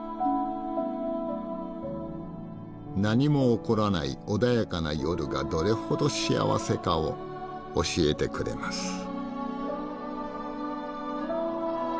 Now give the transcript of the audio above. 何も起こらない穏やかな夜がどれほど幸せかを教えてくれます。